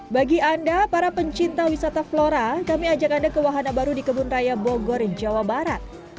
bagi anda para pencinta wisata flora kami ajak anda ke wahana baru di kebun raya bogor jawa barat